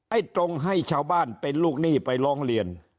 ตรงให้ชาวบ้านเป็นลูกหนี้ไปร้องเรียน